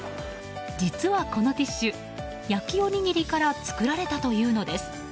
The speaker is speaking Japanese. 実はこのティッシュ焼おにぎりから作られたというのです。